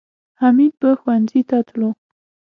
حمید به ښوونځي ته تلو